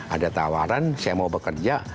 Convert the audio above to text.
ada tawaran saya mau bekerja